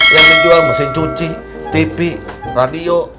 yang menjual mesin cuci tv radio